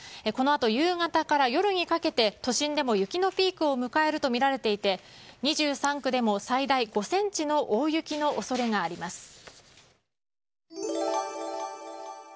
このあと、夕方から夜にかけて都心でも雪のピークを迎えるとみられていて２３区でも最大５ｃｍの大雪の恐れがあります。